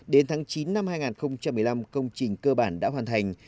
đến tháng chín năm hai nghìn một mươi năm công trình cơ bản đã hoàn thành